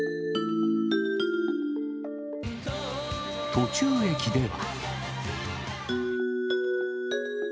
途中駅では。